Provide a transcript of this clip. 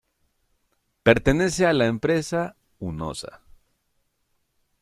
Pertenece a la empresa Hunosa.